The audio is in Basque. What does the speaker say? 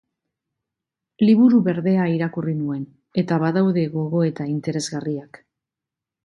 Liburu Berdea irakurri nuen, eta badaude gogoeta interesgarriak.